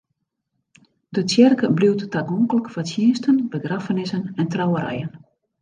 De tsjerke bliuwt tagonklik foar tsjinsten, begraffenissen en trouwerijen.